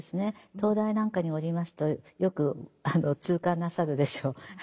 東大なんかにおりますとよく痛感なさるでしょう。